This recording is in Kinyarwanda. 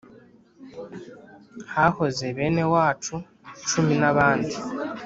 hahoze benewacu cumi n’abandi